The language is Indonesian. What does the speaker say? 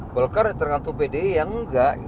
golkar tergantung pdi ya enggak